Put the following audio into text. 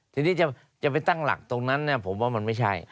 ทีนี้จะไปตั้งหลักตรงนั้นผมว่ามันไม่ใช่